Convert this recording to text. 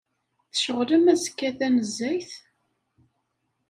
Tceɣlem azekka tanezzayt?